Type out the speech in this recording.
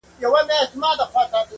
هر څوک هڅه کوي تېر هېر کړي خو نه کيږي,